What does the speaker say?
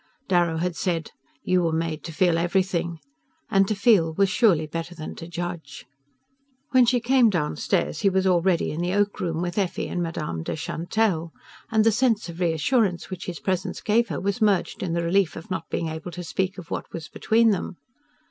Darrow had said: "You were made to feel everything"; and to feel was surely better than to judge. When she came downstairs he was already in the oak room with Effie and Madame de Chantelle, and the sense of reassurance which his presence gave her was merged in the relief of not being able to speak of what was between them.